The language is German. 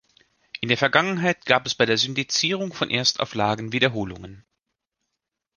In der Vergangenheit gab es bei der Syndizierung von Erstauflagen Wiederholungen.